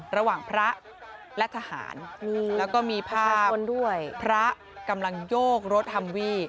ระหว่างพระและทหารแล้วก็มีภาพพระกำลังโยกรถฮัมวี่